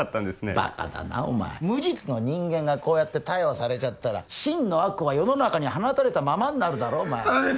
バカだなお前無実の人間がこうやって逮捕されちゃったら真の悪は世の中に放たれたままになるだろ佐田先生